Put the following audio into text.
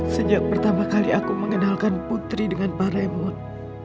sejak pertama kali aku mengenalkan putri dengan pak raymond